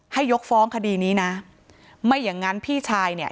ยกฟ้องคดีนี้นะไม่อย่างงั้นพี่ชายเนี่ย